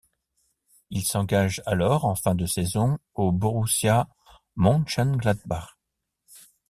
Il s'engage alors en fin de saison au Borussia Mönchengladbach.